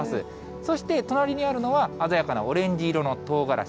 そして隣にあるのは、鮮やかなオレンジ色のとうがらし。